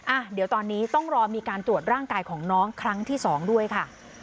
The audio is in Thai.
อ่ะเดี๋ยวตอนนี้ต้องรอมีการตรวจร่างกายของน้องครั้งที่สองด้วยค่ะ